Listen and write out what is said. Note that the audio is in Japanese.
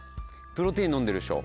プロテイン飲んでるでしょ